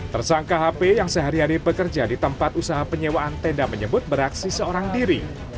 tersangka hp yang sehari hari bekerja di tempat usaha penyewaan tenda menyebut beraksi seorang diri